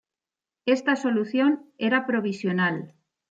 Esta solución era provisional.